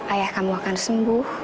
ayah kamu akan sembuh